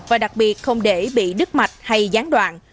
và đặc biệt không để bị đứt mạch hay gián đoạn